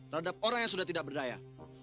terhadap orang yang sudah tidak berdaya